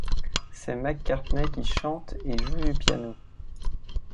C'est McCartney qui chante et joue du piano.